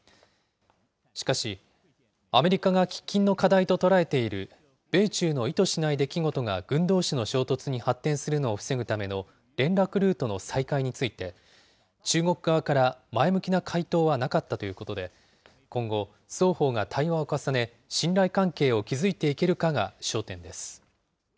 しかし、アメリカが喫緊の課題と捉えている米中の意図しない出来事が軍どうしの衝突に発展するのを防ぐための連絡ルートの再開について、中国側から前向きな回答はなかったということで、今後、双方が対話を重ね、信頼関係を築いていけるかが焦点です。